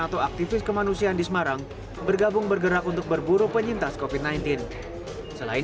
atau aktivis kemanusiaan di semarang bergabung bergerak untuk berburu penyintas kopi sembilan belas selain